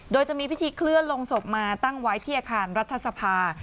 โดยจะมีพิธีเคลื่อนลงศพมาตั้งไว้ที่อาคารรัฐสภา